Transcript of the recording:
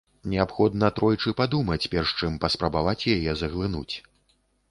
Неабходна тройчы падумаць, перш чым паспрабаваць яе заглынуць.